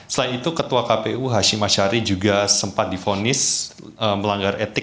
selain itu ketua kpu hashim ashari juga sempat difonis melanggar etik